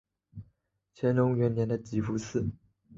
乾隆元年的集福祠。